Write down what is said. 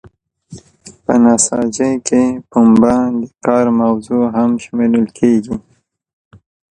په نساجۍ کې پنبه د کار موضوع هم شمیرل کیږي.